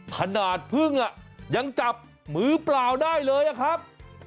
ขนาดพึ่งยังจับมือเปล่าได้เลยอะครับ